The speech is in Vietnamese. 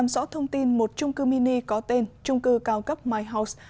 có thông tin một trung cư mini có tên trung cư cao cấp my house